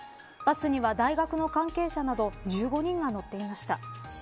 バスには大学の関係者など１５人が乗っていました。